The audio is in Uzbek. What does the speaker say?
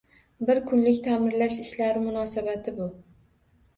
Bir kunlik taʼmirlash ishlari munosabati bu